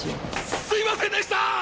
すいませんでした！